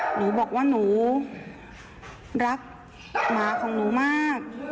หนูบอกว่าหนูรักหมาของหนูมาก